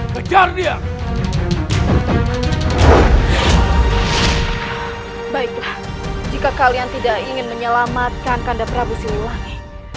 baiklah jika kalian tidak ingin menyelamatkan kanda prabu siliwangi